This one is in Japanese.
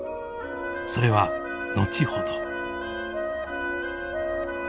それは後ほど。